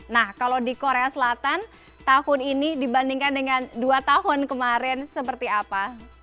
nah kalau di korea selatan tahun ini dibandingkan dengan dua tahun kemarin seperti apa